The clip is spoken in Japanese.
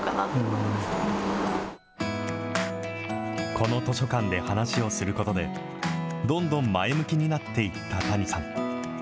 この図書館で話しをすることで、どんどん前向きになっていった谷さん。